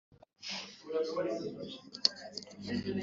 no mu bitekerezo n’ahandi,